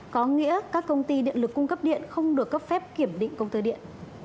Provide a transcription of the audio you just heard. có nghĩa các công ty điện lực cung cấp điện không được cấp phép kiểm định công tơ điện